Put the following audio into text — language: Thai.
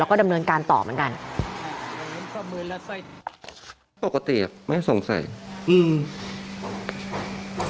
แล้วก็ดำเนินการต่อเหมือนกันปกติอ่ะไม่สงสัยอืม